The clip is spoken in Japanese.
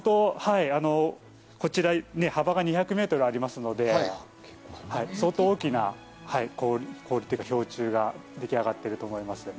幅が２００ｍありますので、相当大きな氷柱が出来上がっていると思います。